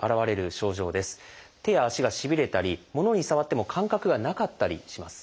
手や足がしびれたり物に触っても感覚がなかったりします。